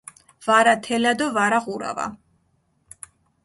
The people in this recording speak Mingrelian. ვარა თელა დო ვარა ღურავა